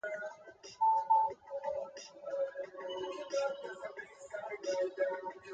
Milius claimed he was requested to write the screenplay for Sinatra in three weeks.